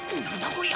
こりゃ。